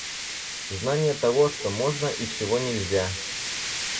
Знание того, что можно и чего нельзя.